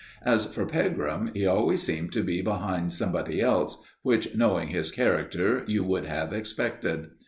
As for Pegram, he always seemed to be behind somebody else, which, knowing his character, you would have expected.